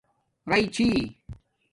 رَی چھݵئ